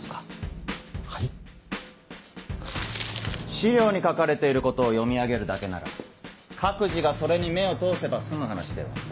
資料に書かれていることを読み上げるだけなら各自がそれに目を通せば済む話では。